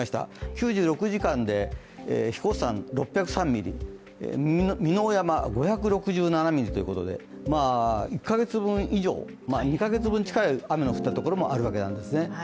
９６時間で英彦山６０３ミリ、耳納山５６７ミリということで、１か月分以上、２か月分近い雨が降ったところもあるんですね。